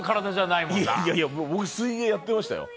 いやいや、水泳やってましたよ。